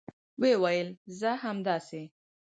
یوې وویل: زه همداسې